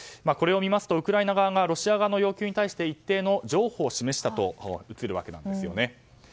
これを見ますと、ウクライナ側がロシア側の要求に対して一定の譲歩を示したと映るわけですよね。